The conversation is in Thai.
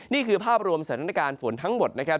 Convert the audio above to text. นี่คือภาพรวมสถานการณ์ฝนทั้งหมดนะครับ